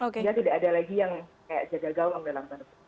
sehingga tidak ada lagi yang jaga gaulang dalam tangan